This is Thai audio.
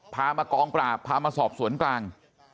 พามากองปราบพามาสอบสวนกลาง